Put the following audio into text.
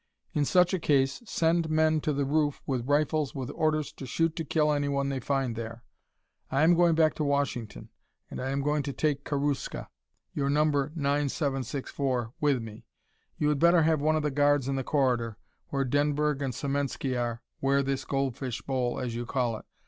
In such a case, send men to the roof with rifles with orders to shoot to kill anyone they find there. I am going back to Washington and I am going to take Karuska, your No. 9764 with me. You had better have one of the guards in the corridor, where Denberg and Semensky are, wear this goldfish bowl, as you call it.